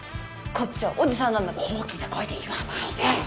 こっちはおじさんなんだから大きな声で言わないで！